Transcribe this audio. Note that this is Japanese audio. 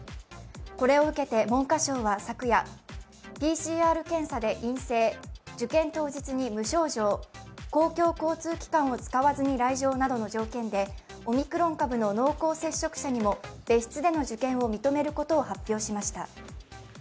これを受けて文科省は昨夜ＰＣＲ検査で陰性、受験当日に無症状、公共交通機関を使わずに来場などの条件でオミクロン株の濃厚接触者にも別室での受験を認めることを発表しました。